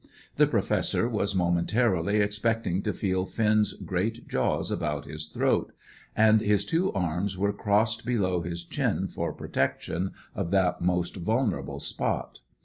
The Professor was momentarily expecting to feel Finn's great jaws about his throat, and his two arms were crossed below his chin for protection of that most vulnerable spot.